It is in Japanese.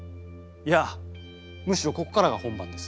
いやむしろここからが本番です。